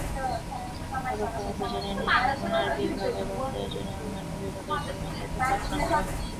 পরোক্ষভাবে জেনে নিন আপনার বিভাগ এবং প্রয়োজনীয় অন্যান্য বিভাগের কর্মীদের ডাকনামটাও।